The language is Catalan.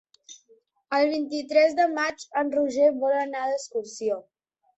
El vint-i-tres de maig en Roger vol anar d'excursió.